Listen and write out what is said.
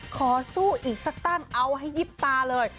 ขอสู้อีกสักตั้งเอาให้ยิบตาเลย